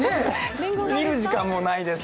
見る時間もないです。